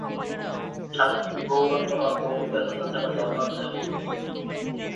স্বামী গৌরাঙ্গ নাথ ভৌমিকের হাতে থাকা ঝর্ণার দেহ ক্রমেই নিথর হয়ে আসে।